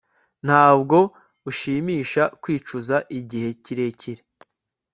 Ntabwo ushimisha kwicuza igihe kirekire